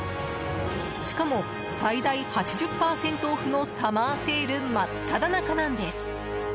しかも、最大８０％オフのサマーセール真っただ中なんです。